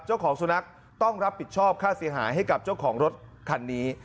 เจ้าของสุนัขต้องรับผิดชอบค่าเสียหายให้กับเจ้าของรถคันนี้